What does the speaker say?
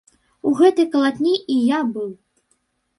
У гэтай калатні і я быў.